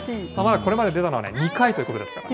これまで出たのは２回ということですから。